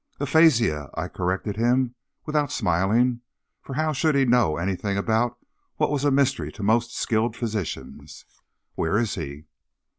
"Aphasia," I corrected him, without smiling, for how should he know anything about what was a mystery to most skilled physicians. "Where is he?"